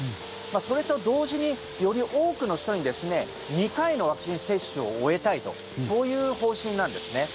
それと同時に、より多くの人に２回のワクチン接種を終えたいとそういう方針なんですね。